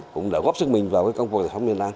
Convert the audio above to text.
cũng đã góp sức mình vào công cuộc giải phóng miền nam